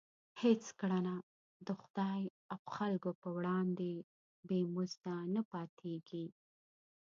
هېڅ کړنه د خدای او خلکو په وړاندې بې مزده نه پاتېږي.